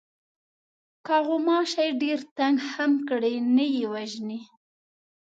که غوماشی ډېر تنگ هم کړي نه یې وژنې.